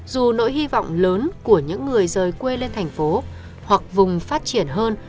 dù nỗi hy vọng lớn của những người rời quê lên thành phố hoặc vùng phát triển hơn